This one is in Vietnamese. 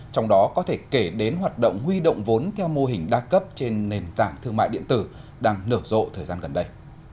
trong đó có thể kể đến hoạt động huy động vốn theo mô hình đa cấp trên nền tảng thương mại điện tử đang nở rộ thời gian gần đây